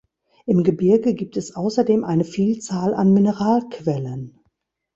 Im Gebirge gibt es außerdem eine Vielzahl an Mineralquellen.